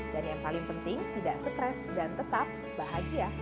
dan yang paling penting tidak stres dan tetap bahagia